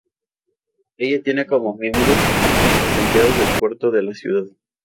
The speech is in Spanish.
Esta tiene como miembros a los empleados del puerto de la ciudad.